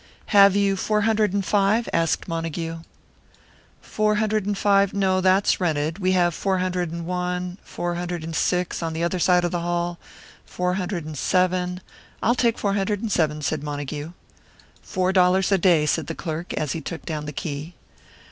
"Have you four hundred and five?" asked Montague. "Four hundred and five? No, that's rented. We have four hundred and one four hundred and six, on the other side of the hall four hundred and seven " "I'll take four hundred and seven," said Montague. "Four dollars a day," said the clerk, as he took down the key.